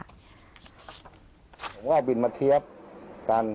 ผมก็บินมาเทียบกัน